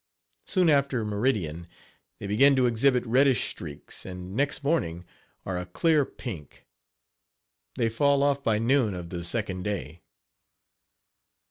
Soon after meridian they begin to exhibit reddish streaks, and next morning are a clear pink. They fall off by noon of the second day.